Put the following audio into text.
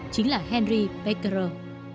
chính là henry becquerel